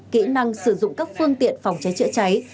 kỹ năng sử dụng các phương tiện phòng cháy chữa cháy